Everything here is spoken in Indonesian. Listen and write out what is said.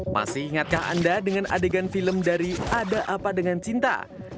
masih ingatkah anda dengan adegan film dari ada apa dengan cinta